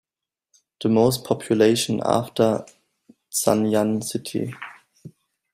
The most population after Zanjan city.